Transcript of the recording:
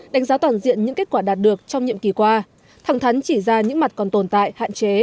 đánh giá toàn diện những kết quả đạt được trong nhiệm kỳ qua thẳng thắn chỉ ra những mặt còn tồn tại hạn chế